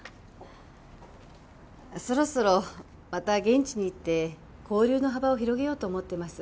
そろそろまた現地に行って交流の幅を広げようと思ってます。